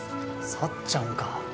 さっちゃんか。